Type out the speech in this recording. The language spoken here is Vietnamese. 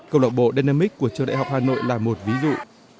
câu lạc bộ denemic của trường đại học hà nội là một ví dụ